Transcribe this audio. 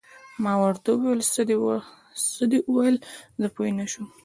ما ورته وویل: څه دې وویل؟ زه پوه نه شوم.